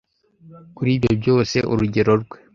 kuri ibyo byose urugero rwe